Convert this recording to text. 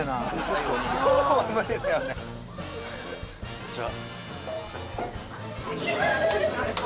こんにちは。